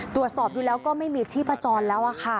ตรวจสอบดูแล้วก็ไม่มีที่ผจรแล้วค่ะ